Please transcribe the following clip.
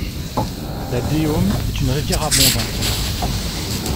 La Déôme est une rivière abondante.